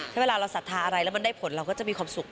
ถ้าเวลาเราศรัทธาอะไรแล้วมันได้ผลเราก็จะมีความสุข